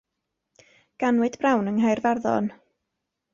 Ganwyd Brown yng Nghaerfaddon.